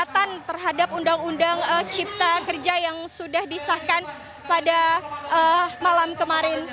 yang terhadap undang undang cipta kerja yang sudah disahkan pada malam kemarin